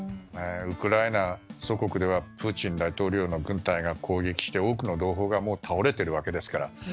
ウクライナ、祖国ではプーチン大統領の軍隊が攻撃して多くの同胞が倒れているわけですから。